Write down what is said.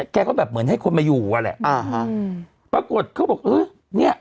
แกก็แบบเหมือนให้คนมาอยู่อ่ะแหละอ่าฮะปรากฏเขาบอกเออเนี้ย